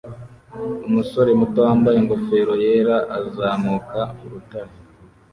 Umusore muto wambaye ingofero yera azamuka urutare